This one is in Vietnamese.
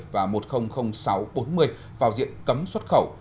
và một trăm linh nghìn sáu trăm bốn mươi vào diện cấm xuất khẩu